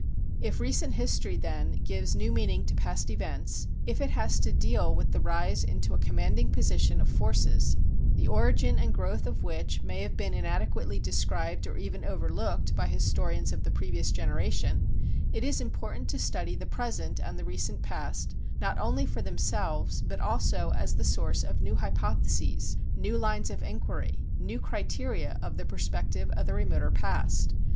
If recent history, then, gives new meaning to past events, if it has to deal with the rise into a commanding position of forces, the origin and growth of which may have been inadequately described or even overlooked by historians of the previous generation, it is important to study the present and the recent past, not only for themselves but also as the source of new hypotheses, new lines of inquiry, new criteria of the perspective of the remoter past.